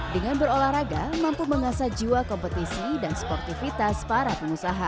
dengan berolahraga mampu mengasah jiwa kompetisi dan sportivitas para pengusaha